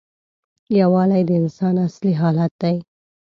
یووالی د انسان اصلي حالت دی.